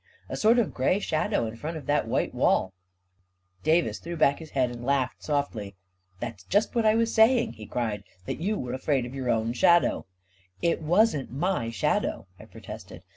A sort of gray shadow in front of that white wall ..." A KING IN BABYLON 229 Davis threw back his head and laughed softly. "That's just what I was saying!" he cried. " That you were afraid of your own shadow I "" It wasn't my shadow !" I protested.